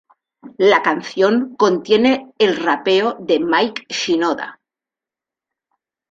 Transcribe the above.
La canción contiene el rapeo de Mike Shinoda.